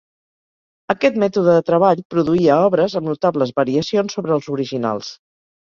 Aquest mètode de treball produïa obres amb notables variacions sobre els originals.